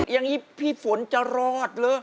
อย่างนี้พี่ฝนจะรอดเหรอ